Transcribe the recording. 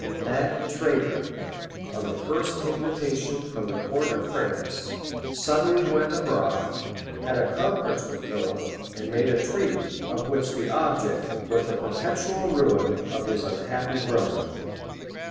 That traitor, on the first invitation from the court of France, suddenly went abroad, had a conference with Philip, and made a treaty, of which the object was the perpetual ruin of his unhappy brother.